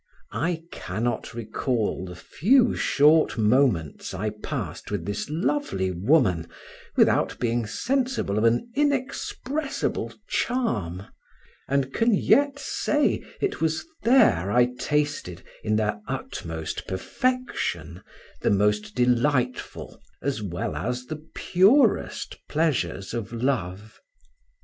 I cannot recall the few short moments I passed with this lovely woman without being sensible of an inexpressible charm, and can yet say, it was there I tasted in their utmost perfection the most delightful, as well as the purest pleasures of love.